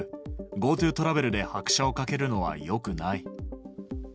ＧｏＴｏトラベルで拍車をかけるのはよくない。